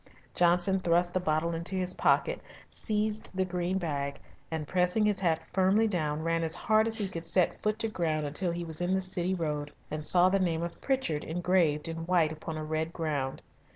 Johnson thrust the bottle into his pocket, seized the green bag, and pressing his hat firmly down ran as hard as he could set foot to ground until he was in the City Road and saw the name of Pritchard engraved in white upon a red ground.